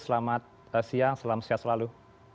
selamat siang salam sehat selalu